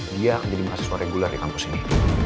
dia akan jadi beasiswa reguler di kampus ini